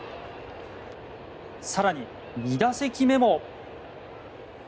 更に、２打席目も。